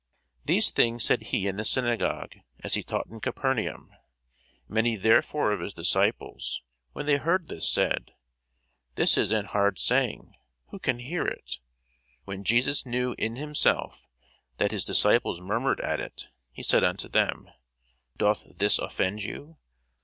These things said he in the synagogue, as he taught in Capernaum. Many therefore of his disciples, when they heard this, said, This is an hard saying; who can hear it? When Jesus knew in himself that his disciples murmured at it, he said unto them, Doth this offend you?